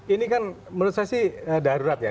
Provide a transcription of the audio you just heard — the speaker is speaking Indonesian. ini kan menurut saya sih darurat ya